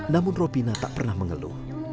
namun ropina tak pernah mengeluh